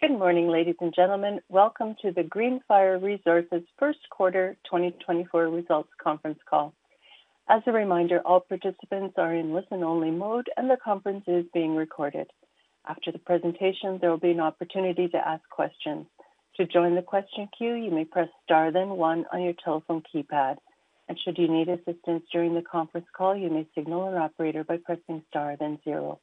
Good morning, ladies and gentlemen. Welcome to the Greenfire Resources first quarter 2024 results conference call. As a reminder, all participants are in listen-only mode and the conference is being recorded. After the presentation, there will be an opportunity to ask questions. To join the question queue, you may press star, then one on your telephone keypad, and should you need assistance during the conference call, you may signal an operator by pressing star, then zero.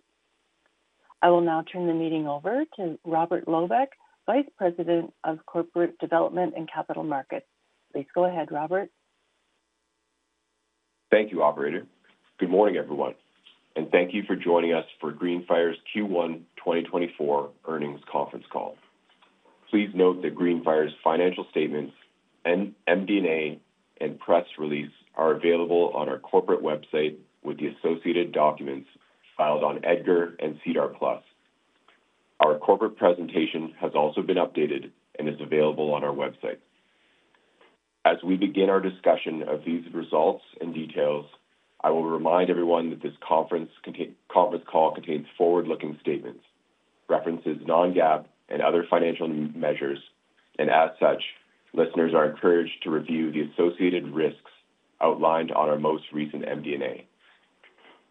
I will now turn the meeting over to Robert Loebach, Vice President of Corporate Development and Capital Markets. Please go ahead, Robert. Thank you, operator. Good morning, everyone. And thank you for joining us for Greenfire's Q1 2024 earnings conference call. Please note that Greenfire's financial statements, MD&A, and press release are available on our corporate website with the associated documents filed on EDGAR and SEDAR+. Our corporate presentation has also been updated and is available on our website. As we begin our discussion of these results and details, I will remind everyone that this conference call contains forward-looking statements, references, non-GAAP and other financial measures. As such, listeners are encouraged to review the associated risks outlined on our most recent MD&A.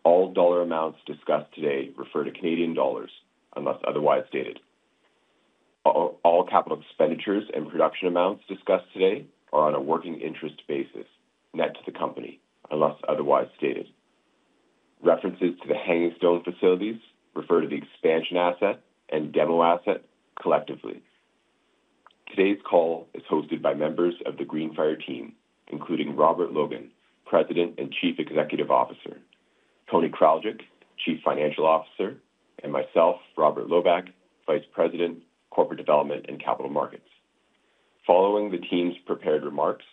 All dollar amounts discussed today refer to Canadian dollars, unless otherwise stated. All capital expenditures and production amounts discussed today are on a working interest basis, net to the company, unless otherwise stated. References to the Hangingstone facilities refer to the Expansion asset and Demo asset collectively. Today's call is hosted by members of the Greenfire team, including Robert Logan, President and Chief Executive Officer, Tony Kraljic, Chief Financial Officer, and myself, Robert Loebach, Vice President, Corporate Development and Capital Markets. Following the team's prepared remarks,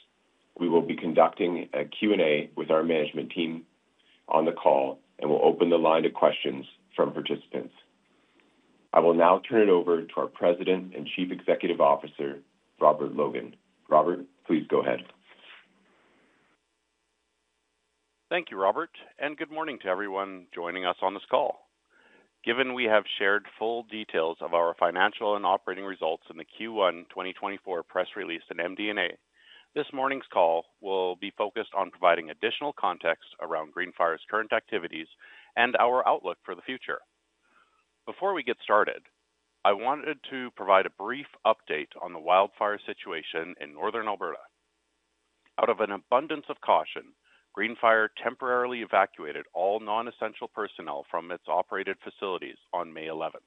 we will be conducting a Q&A with our management team on the call and we'll open the line to questions from participants. I will now turn it over to our President and Chief Executive Officer, Robert Logan. Robert, please go ahead. Thank you, Robert, and good morning to everyone joining us on this call. Given we have shared full details of our financial and operating results in the Q1 2024 press release and MD&A, this morning's call will be focused on providing additional context around Greenfire's current activities and our outlook for the future. Before we get started, I wanted to provide a brief update on the wildfire situation in Northern Alberta. Out of an abundance of caution, Greenfire temporarily evacuated all non-essential personnel from its operated facilities on May 11th.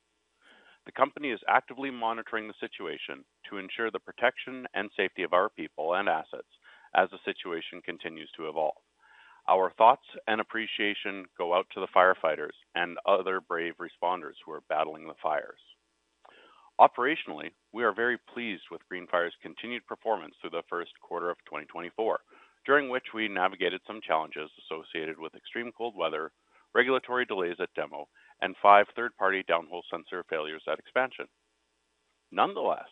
The company is actively monitoring the situation to ensure the protection and safety of our people and assets as the situation continues to evolve. Our thoughts and appreciation go out to the firefighters and other brave responders who are battling the fires. Operationally, we are very pleased with Greenfire's continued performance through the first quarter of 2024, during which we navigated some challenges associated with extreme cold weather, regulatory delays at Demo, and five third-party downhole sensor failures at Expansion. Nonetheless,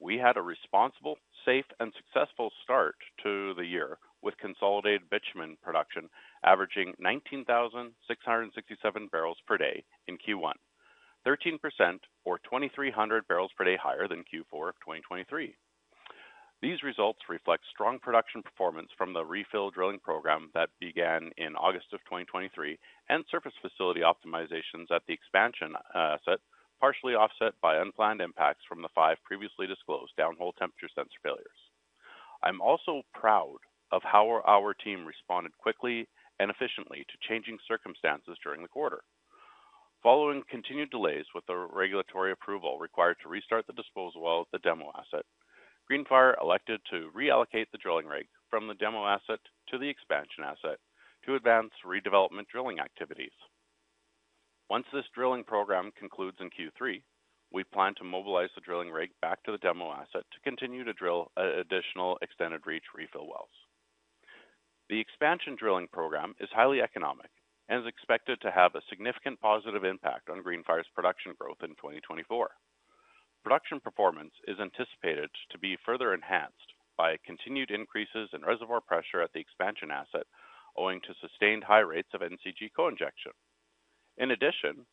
we had a responsible, safe, and successful start to the year, with consolidated bitumen production averaging 19,667 bbl per day in Q1, 13% or 2,300 bbl per day higher than Q4 of 2023. These results reflect strong production performance from the refill drilling program that began in August of 2023 and surface facility optimizations at the Expansion asset, partially offset by unplanned impacts from the five previously disclosed downhole temperature sensor failures. I'm also proud of how our team responded quickly and efficiently to changing circumstances during the quarter. Following continued delays with the regulatory approval required to restart the disposal well at the Demo asset, Greenfire elected to reallocate the drilling rig from the Demo asset to the Expansion asset to advance redevelopment drilling activities. Once this drilling program concludes in Q3, we plan to mobilize the drilling rig back to the Demo asset to continue to drill additional extended reach refill wells. The Expansion drilling program is highly economic and is expected to have a significant positive impact on Greenfire's production growth in 2024. Production performance is anticipated to be further enhanced by continued increases in reservoir pressure at the Expansion asset, owing to sustained high rates of NCG co-injection. In addition,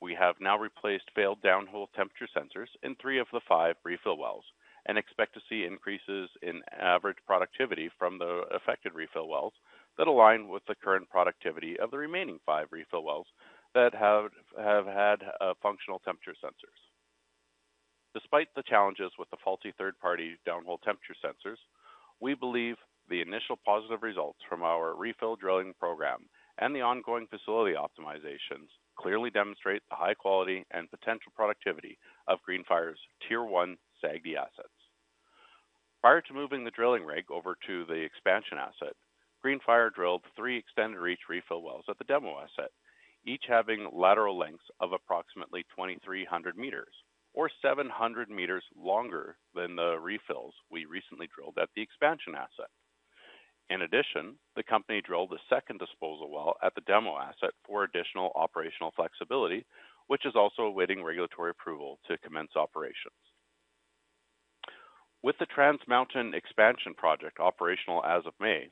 we have now replaced failed downhole temperature sensors in three of the five refill wells and expect to see increases in average productivity from the affected refill wells that align with the current productivity of the remaining five refill wells that have had functional temperature sensors. Despite the challenges with the faulty third-party downhole temperature sensors, we believe the initial positive results from our refill drilling program and the ongoing facility optimizations clearly demonstrate the high quality and potential productivity of Greenfire's Tier 1 SAGD assets. Prior to moving the drilling rig over to the Expansion asset, Greenfire drilled three extended reach refill wells at the Demo asset, each having lateral lengths of approximately 2,300 meters or 700 meters longer than the refills we recently drilled at the Expansion asset. In addition, the company drilled a second disposal well at the Demo asset for additional operational flexibility, which is also awaiting regulatory approval to commence operations. With the Trans Mountain Expansion Project operational as of May,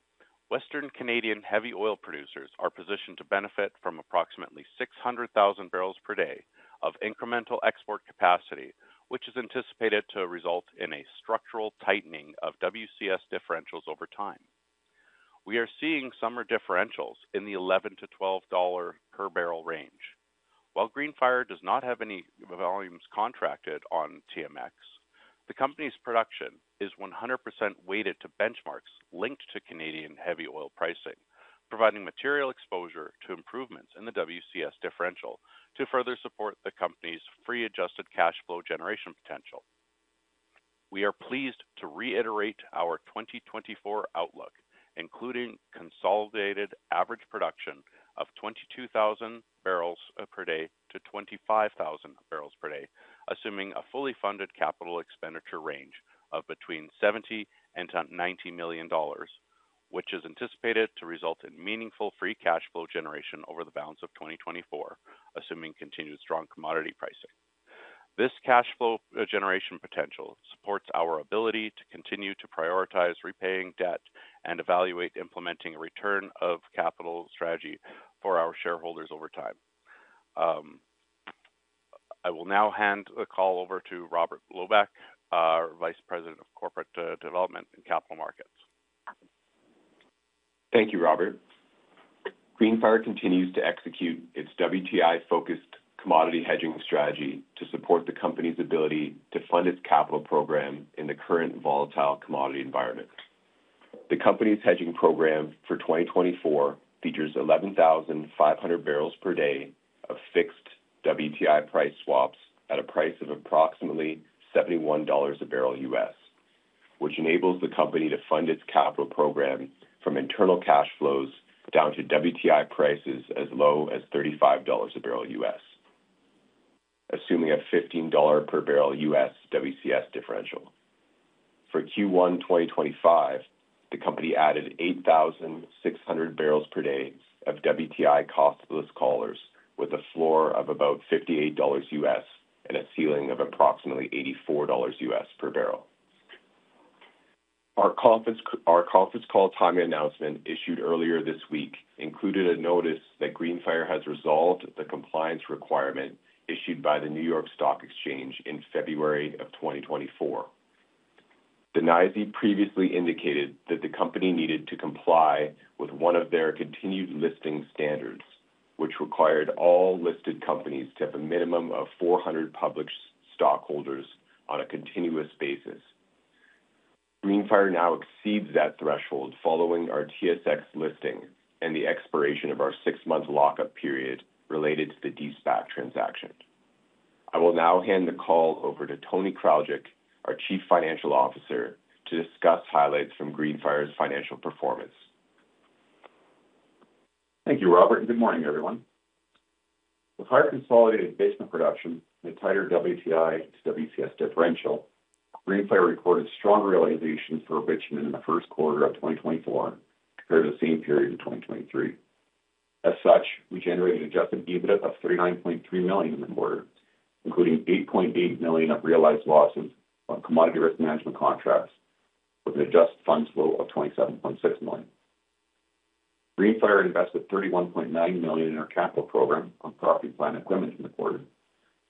Western Canadian heavy oil producers are positioned to benefit from approximately 600,000 bbl per day of incremental export capacity, which is anticipated to result in a structural tightening of WCS differentials over time. We are seeing summer differentials in the $11-$12 per bbl range. While Greenfire does not have any volumes contracted on TMX, the company's production is 100% weighted to benchmarks linked to Canadian heavy oil pricing, providing material exposure to improvements in the WCS differential to further support the company's free adjusted cash flow generation potential. We are pleased to reiterate our 2024 outlook, including consolidated average production of 22,000 bbl-25,000 bbl per day, assuming a fully funded capital expenditure range of between 70 million and 90 million dollars, which is anticipated to result in meaningful free cash flow generation over the balance of 2024, assuming continued strong commodity pricing. This cash flow generation potential supports our ability to continue to prioritize repaying debt and evaluate implementing a return of capital strategy for our shareholders over time. I will now hand the call over to Robert Loebach, our Vice President of Corporate Development and Capital Markets. Thank you, Robert. Greenfire continues to execute its WTI-focused commodity hedging strategy to support the company's ability to fund its capital program in the current volatile commodity environment. The company's hedging program for 2024 features 11,500 bbl per day of fixed WTI price swaps at a price of approximately $71 per barrel, which enables the company to fund its capital program from internal cash flows down to WTI prices as low as $35 per barrel, assuming a $15 per barrel WCS differential. For Q1 2025, the company added 8,600 bbl per day of WTI costless collars with a floor of about $58 and a ceiling of approximately $84 per barrel. Our conference, our conference call timing announcement, issued earlier this week, included a notice that Greenfire has resolved the compliance requirement issued by the New York Stock Exchange in February of 2024. The NYSE previously indicated that the company needed to comply with one of their continued listing standards, which required all listed companies to have a minimum of 400 public stockholders on a continuous basis. Greenfire now exceeds that threshold following our TSX listing and the expiration of our six-month lock-up period related to the de-SPAC transaction. I will now hand the call over to Tony Kraljic, our Chief Financial Officer, to discuss highlights from Greenfire's financial performance. Thank you, Robert, and good morning, everyone. With higher consolidated bitumen production and tighter WTI to WCS differential, Greenfire recorded strong realization for bitumen in the first quarter of 2024 compared to the same period in 2023. As such, we generated adjusted EBITDA of 39.3 million in the quarter, including 8.8 million of realized losses on commodity risk management contracts with an adjusted funds flow of 27.6 million. Greenfire invested 31.9 million in our capital program on property, plant, and equipment in the quarter,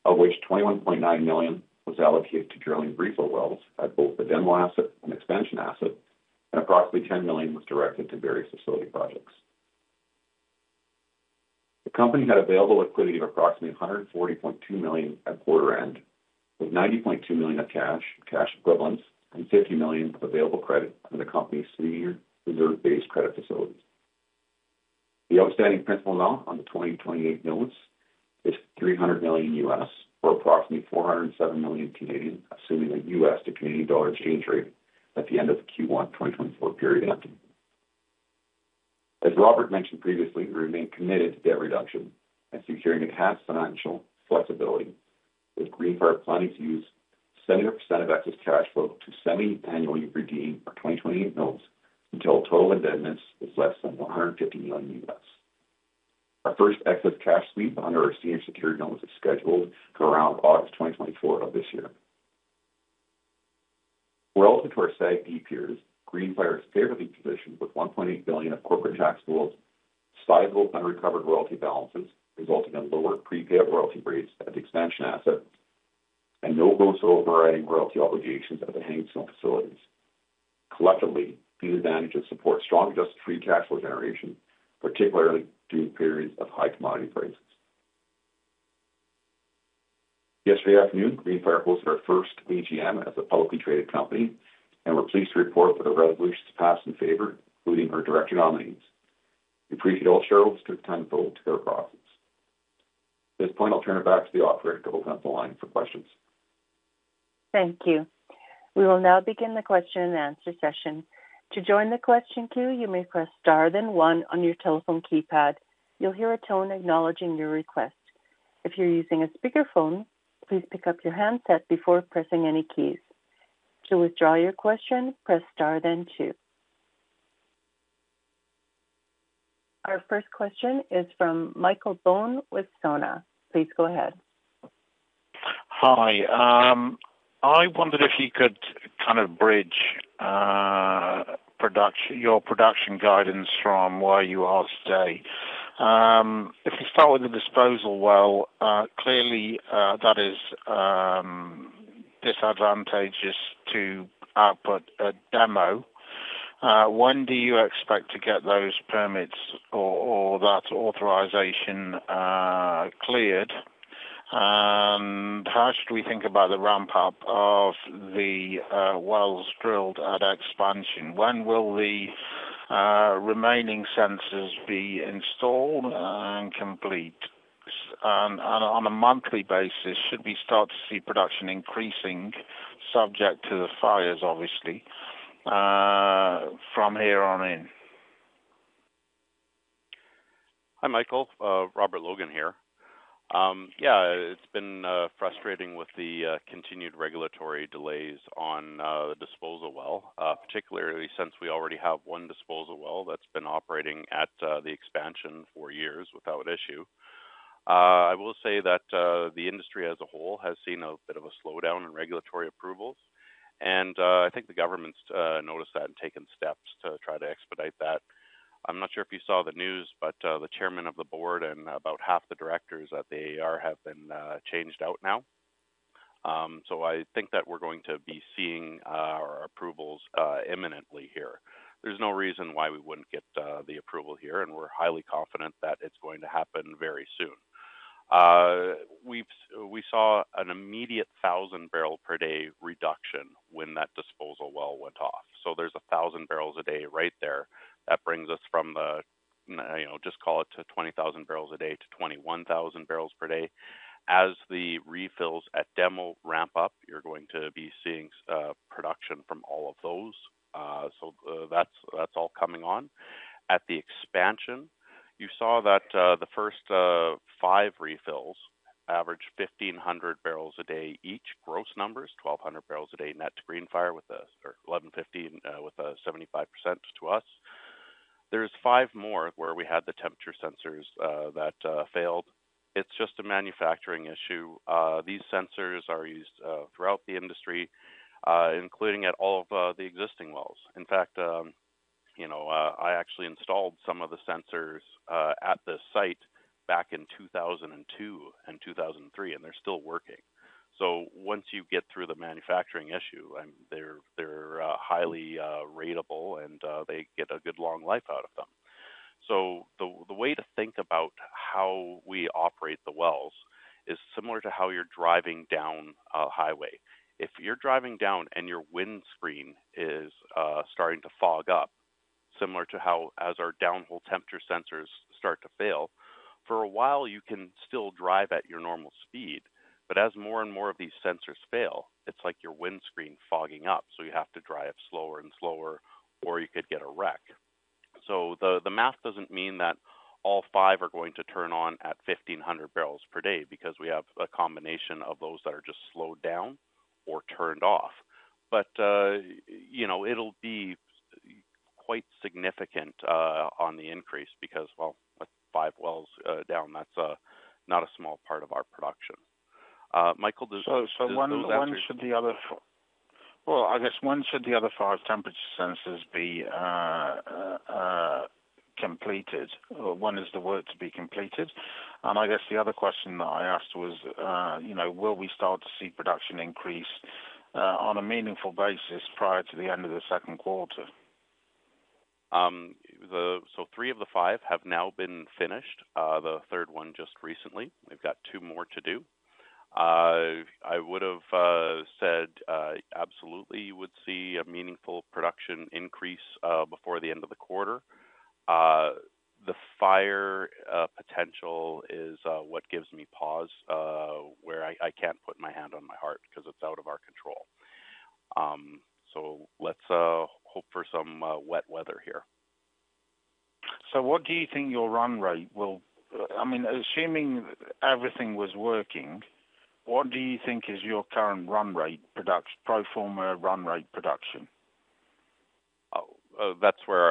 of which 21.9 million was allocated to drilling refill wells at both the Demo asset and Expansion asset, and approximately 10 million was directed to various facility projects. The company had available liquidity of approximately 140.2 million at quarter end, with 90.2 million of cash, cash equivalents, and 50 million of available credit under the company's senior reserve-based credit facilities. The outstanding principal amount on the 2028 notes is $300 million, or approximately 407 million, assuming a U.S. to Canadian dollar exchange rate at the end of the Q1 2024 period. As Robert mentioned previously, we remain committed to debt reduction and securing enhanced financial flexibility, with Greenfire planning to use 70% of excess cash flow to semiannually redeem our 2028 notes until total indebtedness is less than $150 million. Our first excess cash sweep under our senior security notes is scheduled for around August 2024 of this year. Relative to our SAGD peers, Greenfire is favorably positioned with 1.8 billion of corporate tax pools, sizable and recovered royalty balances, resulting in lower prepaid royalty rates at the Expansion asset, and no gross overriding royalty obligations at the Hangingstone facilities. Collectively, these advantages support strong adjusted free cash flow generation, particularly during periods of high commodity prices. Yesterday afternoon, Greenfire hosted our first AGM as a publicly traded company, and we're pleased to report that the resolutions passed in favor, including our director nominees. We appreciate all shareholders who took the time to go through the process. At this point, I'll turn it back to the operator to open up the line for questions. Thank you. We will now begin the question and answer session. To join the question queue, you may press star, then one on your telephone keypad. You'll hear a tone acknowledging your request. If you're using a speakerphone, please pick up your handset before pressing any keys. To withdraw your question, press star then two. Our first question is from Michael Boam with Sona. Please go ahead. Hi. I wondered if you could kind of bridge production, your production guidance from where you are today. If we start with the disposal well, clearly, that is disadvantageous to output at Demo. When do you expect to get those permits or, or that authorization cleared? And how should we think about the ramp-up of the wells drilled at Expansion? When will the remaining sensors be installed and complete? And on a monthly basis, should we start to see production increasing, subject to the fires, obviously, from here on in? Hi, Michael. Robert Logan here. Yeah, it's been frustrating with the continued regulatory delays on the disposal well, particularly since we already have one disposal well that's been operating at the Expansion for years without issue. I will say that the industry as a whole has seen a bit of a slowdown in regulatory approvals, and I think the government's noticed that and taken steps to try to expedite that. I'm not sure if you saw the news, but the chairman of the board and about half the directors at the AER have been changed out now. So I think that we're going to be seeing our approvals imminently here. There's no reason why we wouldn't get the approval here, and we're highly confident that it's going to happen very soon. We've seen an immediate 1,000 bbl per day reduction when that disposal well went off. So there's a 1,000 bbl a day right there. That brings us from the, you know, just call it to 20,000 bbl a day to 21,000 bbl per day. As the refills at Demo ramp up, you're going to be seeing production from all of those. So that's all coming on. At the Expansion, you saw that the first five refills average 1,500 bbl a day, each, gross numbers, 1,200 bbl a day, net to Greenfire with us, or 1,150, with 75% to us. There's five more where we had the temperature sensors that failed. It's just a manufacturing issue. These sensors are used throughout the industry, including at all of the existing wells. In fact, you know, I actually installed some of the sensors at the site back in 2002 and 2003, and they're still working. So once you get through the manufacturing issue, and they're highly reliable, and they get a good long life out of them. So the way to think about how we operate the wells is similar to how you're driving down a highway. If you're driving down and your windshield is starting to fog up, similar to how as our downhole temperature sensors start to fail, for a while, you can still drive at your normal speed, but as more and more of these sensors fail, it's like your windshield fogging up, so you have to drive slower and slower, or you could get a wreck. So the math doesn't mean that all five are going to turn on at 1,500 bbl per day because we have a combination of those that are just slowed down or turned off. But you know, it'll be quite significant on the increase because, well, with five wells down, that's not a small part of our production. Michael, does- Well, I guess when should the other five temperature sensors be completed? When is the work to be completed? And I guess the other question that I asked was, you know, will we start to see production increase on a meaningful basis prior to the end of the second quarter? So three of the five have now been finished, the third one just recently. We've got two more to do. I would've said absolutely, you would see a meaningful production increase before the end of the quarter. The fire potential is what gives me pause, where I can't put my hand on my heart because it's out of our control. So let's hope for some wet weather here. So what do you think your run rate will... I mean, assuming everything was working, what do you think is your current run rate production - pro forma run rate production? That's where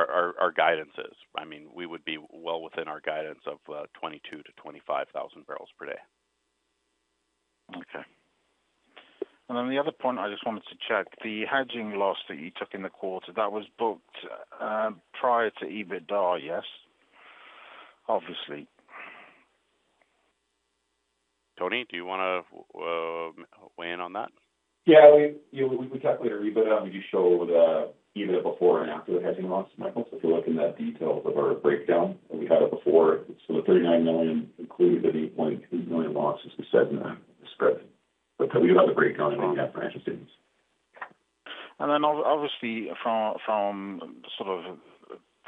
our guidance is. I mean, we would be well within our guidance of 22,000 bbl-25,000 bbl per day. Okay. And then the other point, I just wanted to check, the hedging loss that you took in the quarter, that was booked prior to EBITDA, yes? Obviously. Tony, do you want to weigh in on that? Yeah, we talked later. EBITDA, we do show the EBITDA before and after the hedging loss, Michael. So if you look in that detail of our breakdown, and we had it before, so the 39 million includes a 8.2 million loss, as we said in the script. But we do have the breakdown on that for instance. And then obviously, from sort of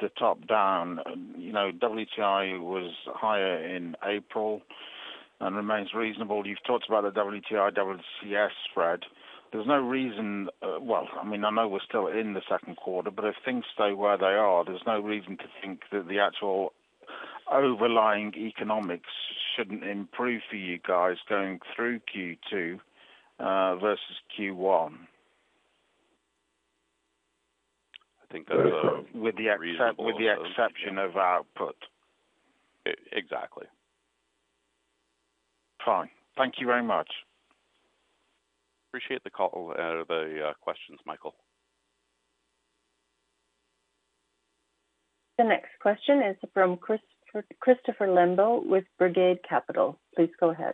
the top down, you know, WTI was higher in April and remains reasonable. You've talked about the WTI, WCS spread. There's no reason... well, I mean, I know we're still in the second quarter, but if things stay where they are, there's no reason to think that the actual overlying economics shouldn't improve for you guys going through Q2 versus Q1. I think those are- With the exception of output. Ex-exactly. Fine. Thank you very much. Appreciate the call, the questions, Michael. The next question is from Christopher Lembo with Brigade Capital. Please go ahead.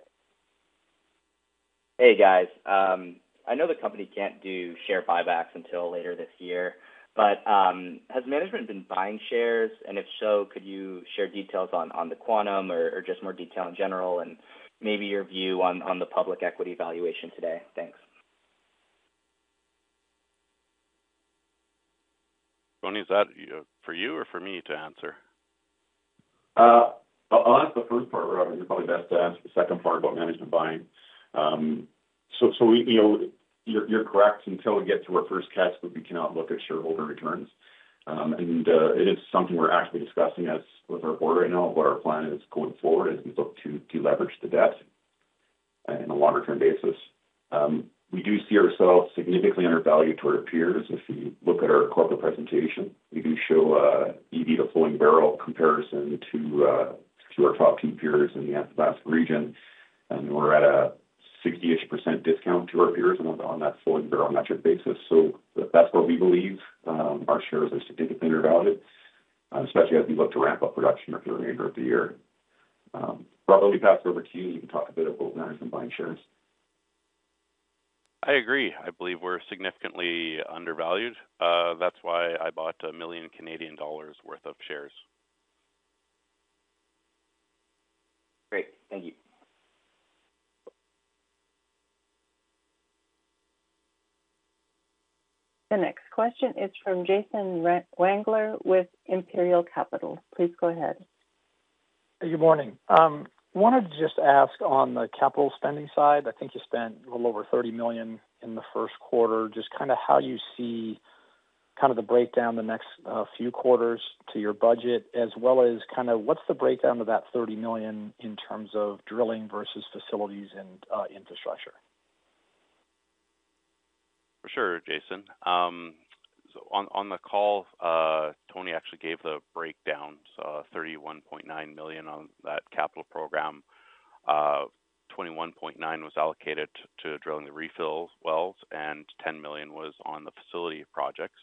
Hey, guys. I know the company can't do share buybacks until later this year, but has management been buying shares? And if so, could you share details on the quantum or just more detail in general and maybe your view on the public equity valuation today? Thanks. Tony, is that for you or for me to answer? I'll answer the first part, Robert. You're probably best to answer the second part about management buying. So, you know, you're correct. Until we get to our first cash flow, we cannot look at shareholder returns. It is something we're actually discussing with our board right now, what our plan is going forward as we look to deleverage the debt, in a longer-term basis. We do see ourselves significantly undervalued to our peers. If you look at our corporate presentation, we do show EV to Flowing Barrel comparison to our top two peers in the Athabasca region, and we're at a 60%-ish discount to our peers on that flowing barrel metric basis. That's what we believe, our shares are significantly undervalued, especially as we look to ramp up production for the remainder of the year. Robert, let me pass it over to you, and you can talk a bit about management buying shares. I agree. I believe we're significantly undervalued. That's why I bought 1 million Canadian dollars worth of shares. Great. Thank you. The next question is from Jason Wangler with Imperial Capital. Please go ahead. Good morning. Wanted to just ask on the capital spending side, I think you spent a little over 30 million in the first quarter. Just kinda how you see kind of the breakdown the next few quarters to your budget, as well as kinda what's the breakdown of that 30 million in terms of drilling versus facilities and infrastructure? For sure, Jason. So on the call, Tony actually gave the breakdown. So, 31.9 million on that capital program, 21.9 million was allocated to drilling the refill wells, and 10 million was on the facility projects.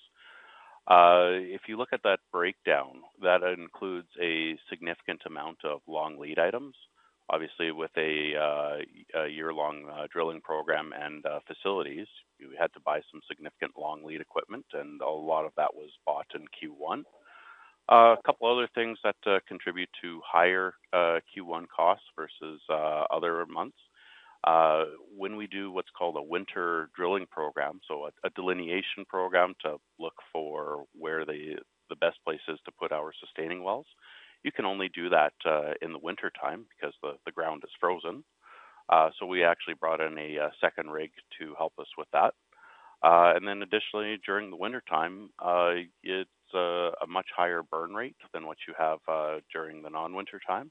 If you look at that breakdown, that includes a significant amount of long lead items. Obviously, with a year-long drilling program and facilities, you had to buy some significant long lead equipment, and a lot of that was bought in Q1. A couple other things that contribute to higher Q1 costs versus other months. When we do what's called a winter drilling program, so a delineation program to look for where the best places to put our sustaining wells, you can only do that in the wintertime because the ground is frozen. So we actually brought in a second rig to help us with that. And then additionally, during the wintertime, it's a much higher burn rate than what you have during the non-winter time.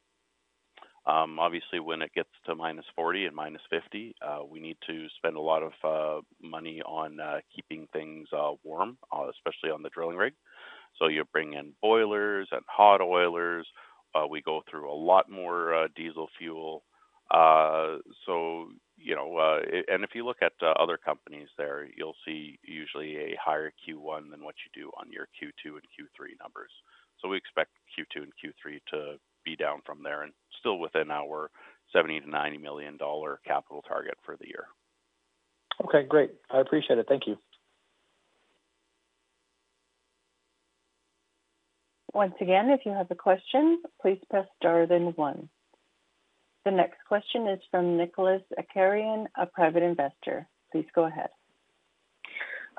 Obviously, when it gets to -40 and -50, we need to spend a lot of money on keeping things warm, especially on the drilling rig. So you bring in boilers and hot oilers. We go through a lot more diesel fuel. So, you know, and if you look at other companies there, you'll see usually a higher Q1 than what you do on your Q2 and Q3 numbers. So we expect Q2 and Q3 to be down from there and still within our 70 million-90 million dollar capital target for the year. Okay, great. I appreciate it. Thank you. Once again, if you have a question, please press star then one. The next question is from Nicholas Akerman, a private investor. Please go ahead.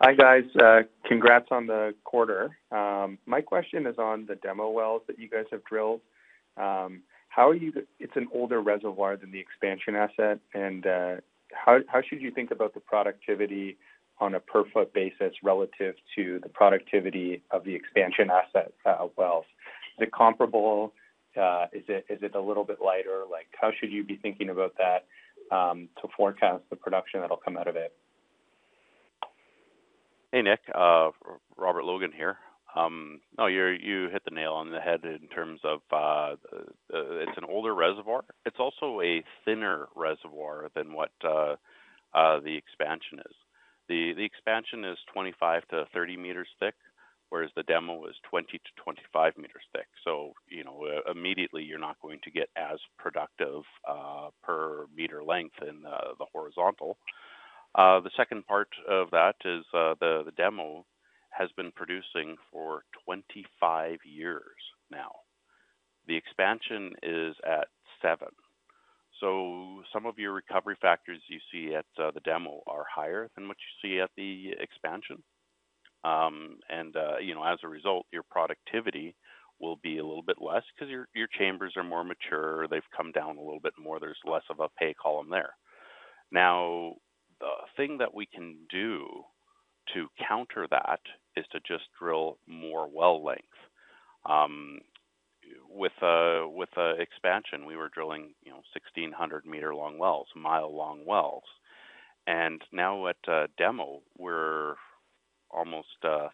Hi, guys, congrats on the quarter. My question is on the Demo wells that you guys have drilled. How are you—It's an older reservoir than the Expansion asset, and how should you think about the productivity on a per-foot basis relative to the productivity of the Expansion asset wells? Is it comparable? Is it a little bit lighter? Like, how should you be thinking about that to forecast the production that'll come out of it? Hey, Nick, Robert Logan here. No, you're-- you hit the nail on the head in terms of, it's an older reservoir. It's also a thinner reservoir than what, the Expansion is. The, the Expansion is 25 m to 30 m thick, whereas the Demo is 20 m to 25 m thick. So, you know, immediately, you're not going to get as productive, per meter length in, the horizontal. The second part of that is, the, the Demo has been producing for 25 years now. The Expansion is at seven. So some of your recovery factors you see at, the Demo are higher than what you see at the Expansion. You know, as a result, your productivity will be a little bit less because your chambers are more mature, they've come down a little bit more, there's less of a pay column there. Now, the thing that we can do to counter that is to just drill more well length. With Expansion, we were drilling, you know, 1,600-meter-long wells, mile-long wells. And now at Demo, we're almost 50%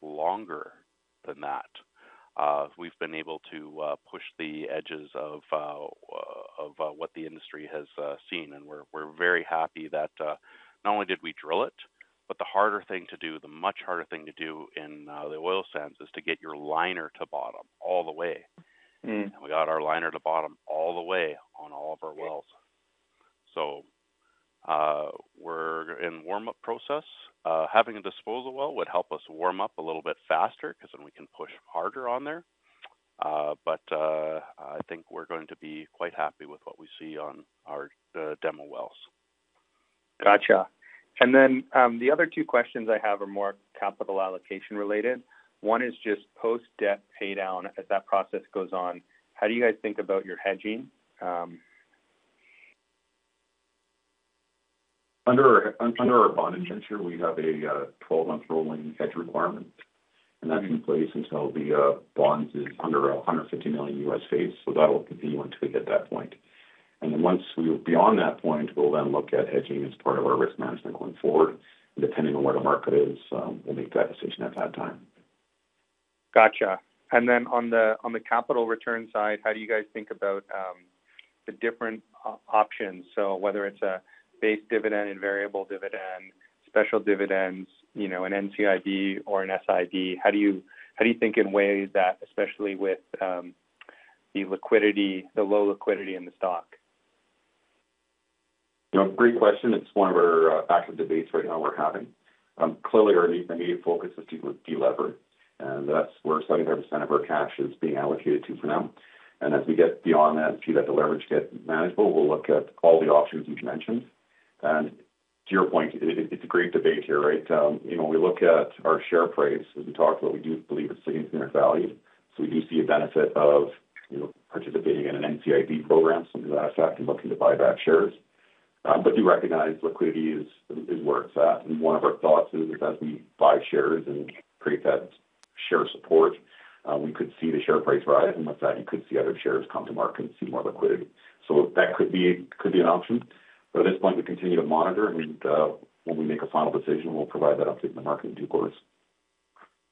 longer than that. We've been able to push the edges of what the industry has seen, and we're very happy that not only did we drill it, but the harder thing to do, the much harder thing to do in the oil sands, is to get your liner to bottom all the way. Mm-hmm. We got our liner to bottom all the way on all of our wells. We're in warm-up process. Having a disposal well would help us warm up a little bit faster, because then we can push harder on there. But I think we're going to be quite happy with what we see on our Demo wells. Got you. And then, the other two questions I have are more capital allocation related. One is just post-debt paydown. As that process goes on, how do you guys think about your hedging? Under our bond indenture, we have a twelve-month rolling hedge requirement, and that's in place until the bonds is under $150 million, so that will continue until we hit that point. And then once we are beyond that point, we'll then look at hedging as part of our risk management going forward, and depending on where the market is, we'll make that decision at that time. Got you. And then on the capital return side, how do you guys think about the different options? So whether it's a base dividend and variable dividend, special dividends, you know, an NCIB or an SIB, how do you, how do you think in ways that, especially with the liquidity, the low liquidity in the stock? You know, great question. It's one of our active debates right now we're having. Clearly, our immediate, immediate focus is to delever, and that's where 75% of our cash is being allocated to for now. And as we get beyond that, see that the leverage get manageable, we'll look at all the options you mentioned. And to your point, it's a great debate here, right? You know, when we look at our share price, as we talked about, we do believe it's significantly valued, so we do see a benefit of, you know, participating in an NCIB program, so to that effect, and looking to buy back shares. But do recognize liquidity is where it's at. One of our thoughts is, as we buy shares and create that share support, we could see the share price rise, and with that, you could see other shares come to market and see more liquidity. So that could be, could be an option, but at this point, we continue to monitor and, when we make a final decision, we'll provide that update to the market in due course.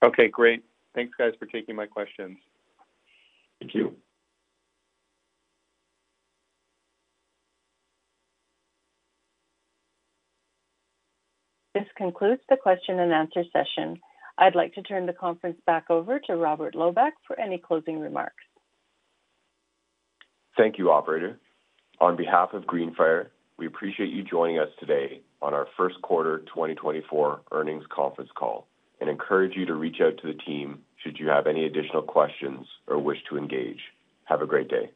Okay, great. Thanks, guys, for taking my questions. Thank you. This concludes the question and answer session. I'd like to turn the conference back over to Robert Loebach for any closing remarks. Thank you, Operator. On behalf of Greenfire, we appreciate you joining us today on our first quarter 2024 earnings conference call, and encourage you to reach out to the team should you have any additional questions or wish to engage. Have a great day.